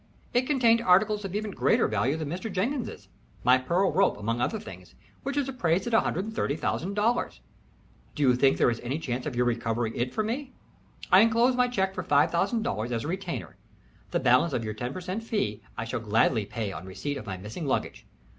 It contained articles of even greater value than Mr. Jenkins's my pearl rope, among other things, which is appraised at $130,000. Do you think there is any chance of your recovering it for me? I enclose my check for $5000 as a retainer. The balance of your ten per cent. fee I shall gladly pay on receipt of my missing luggage.